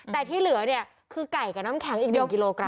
แต่ที่เหลือเนี่ยคือไก่กับน้ำแข็งอีก๑กิโลกรั